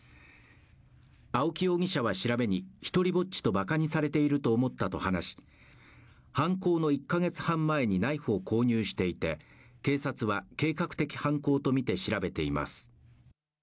青木容疑者に調べに、ひとりぼっちとばかにされていると思ったと話し、犯行の１か月半前にナイフを購入していて警察は計画的犯行とみて調べています。